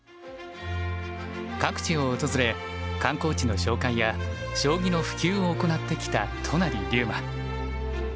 各地を訪れ観光地の紹介や将棋の普及を行ってきた都成竜馬。